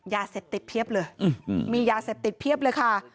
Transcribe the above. ยาเสพติดเพียบเลยมียาเสพติดเพียบเลยค่ะ